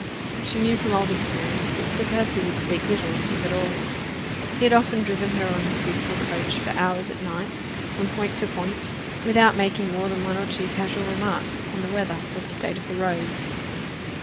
She knew from old experience that Sir Percy would speak little, if at all: he had often driven her on his beautiful coach for hours at night, from point to point, without making more than one or two casual remarks upon the weather or the state of the roads.